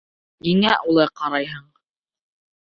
Ниңә улай ҡарайһың?